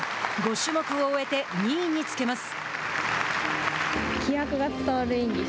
５種目を終えて２位につけます。